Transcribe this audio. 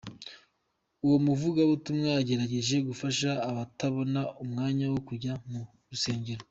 Uwo muvugabutumwa yagerageje gufasha abatabona umwanya wo kujya mu rusengero.